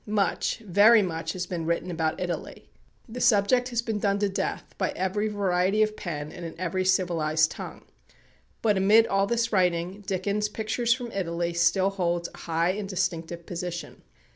Much, very much has been written about Italy. The subject has been done to death by every variety of pen, and in every civilized tongue. But amid all this writing, Dickens' "Pictures from Italy" still holds a high and distinctive position.